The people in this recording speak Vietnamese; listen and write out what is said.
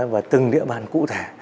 và từng địa bàn cũ